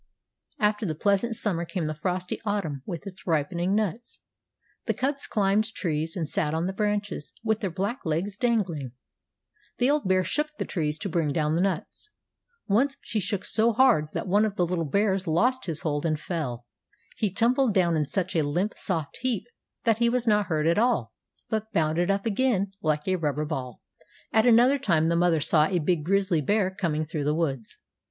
After the pleasant summer came the frosty autumn with its ripening nuts. The cubs climbed trees and sat on the branches, with their black legs dangling. The old bear shook the trees to bring down the nuts. Once she shook so hard that one of the little bears lost his hold and fell. He tumbled down in such a limp soft heap that he was not hurt at all, but bounded up again like a rubber ball. At another time the mother saw a big grizzly bear coming through the woods.